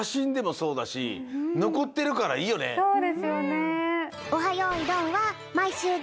そうですよねえ。